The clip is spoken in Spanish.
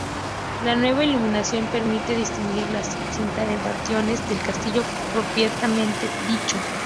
La nueva iluminación permite distinguir la cinta de bastiones del Castillo propiamente dicho.